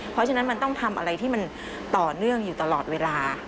เพราะฉะนั้นมันต้องทำอะไรที่มันต่อเนื่องอยู่ตลอดเวลา